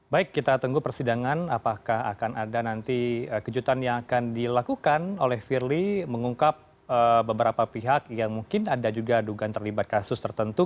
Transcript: baik kita tunggu persidangan apakah akan ada nanti kejutan yang akan dilakukan oleh firly mengungkap beberapa pihak yang mungkin ada juga dugaan terlibat kasus tertentu